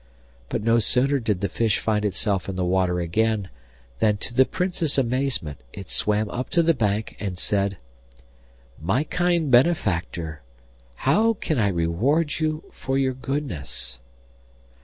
But no sooner did the fish find itself in the water again, than, to the Prince's amazement, it swam up to the bank and said: 'My kind benefactor, how can I reward you for your goodness?